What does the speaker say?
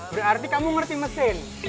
berarti kamu ngerti mesin